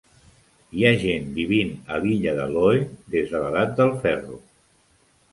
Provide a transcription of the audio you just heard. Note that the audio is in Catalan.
Hi ha gent vivint a l'illa de Looe des de l'edat del ferro.